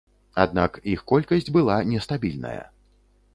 Аднак іх колькасць была нестабільная.